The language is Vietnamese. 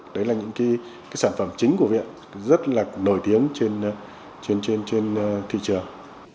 đấy là những cái sản phẩm chính của viện rất là nổi tiếng trên thị trường